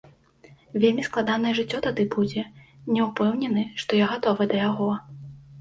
Вельмі складаная жыццё тады будзе, не ўпэўнены, што я гатовы да яго.